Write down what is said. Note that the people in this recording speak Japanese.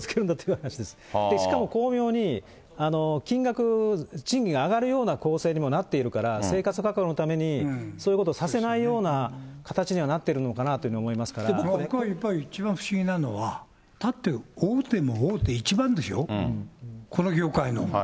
しかも巧妙に金額、賃金が上がるような構成にもなってるから、生活確保のためにそういうことをさせないような形にはなってるの僕はやっぱり一番不思議なのは、だって、大手も大手、一番でしょ、この業界の。